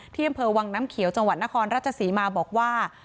อำเภอวังน้ำเขียวจังหวัดนครราชศรีมาบอกว่า